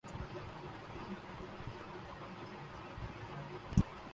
فرشتے سراپاخیر مخلوق ہیں